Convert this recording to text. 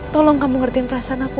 tolong kamu ngertiin perasaan aku